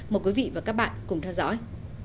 mời quý vị và các bạn cùng theo dõi